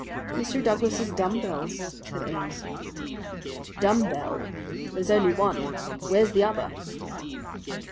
"Mr. Douglas's dumb bells," said Ames. "Dumb bell there's only one. Where's the other?"